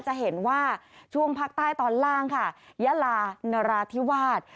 จะเห็นว่าช่วงภาคใต้ตอนล่างค่ะยะลานราธิวาส